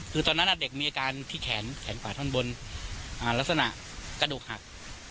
คือตอนนั้นเด็กมีอาการที่แขนขวาท่อนบนลักษณะกระดูกหัก